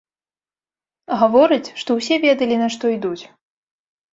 Гаворыць, што ўсе ведалі, на што ідуць.